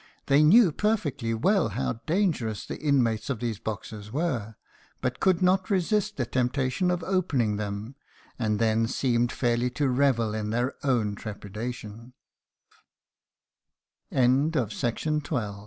They knew perfectly well how dangerous the inmates of these boxes were, but could not resist the temptation of opening them, and then seemed fairly to revel in their own trepidation. THE SUMMER POOL. BUCHANAN.